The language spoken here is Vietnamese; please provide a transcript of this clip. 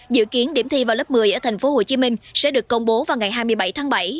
dự kiến điểm thi vào lớp một mươi ở tp hcm sẽ được công bố vào ngày hai mươi bảy tháng bảy